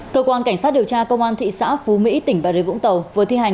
cơ quan cảnh sát điều tra công an thị xã phú mỹ tỉnh bà rịa vũng tàu vừa thi hành